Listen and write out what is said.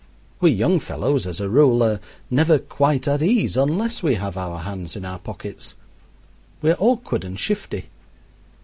We young fellows, as a rule, are never quite at ease unless we have our hands in our pockets. We are awkward and shifty.